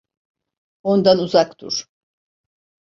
Ondan uzak dur.